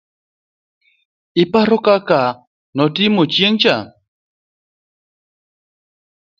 iparo kaka notimo chieng' cha?,